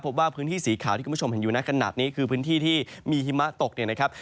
พบว่าพื้นที่สีขาวที่คุณผู้ชมเห็นอยู่ในขณะนี้คือพื้นที่ที่มีหิมะตกเนี่ยนะครับ